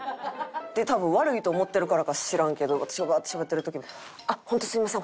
多分悪いと思ってるからか知らんけど私がバーッてしゃべってる時に「本当すみません。